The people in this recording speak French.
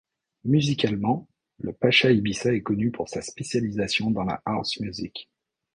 Musicalement, le Pacha Ibiza est connu pour sa spécialisation dans la house music.